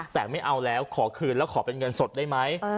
แต่ไม่เอาแล้วขอคืนแล้วขอเป็นเงินสดได้ไหม